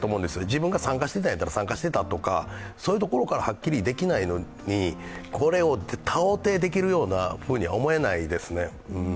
自分が参加してたんなら参加してたとか、そういうところからはっきりできないのに、これを到底できるとは思えないですね。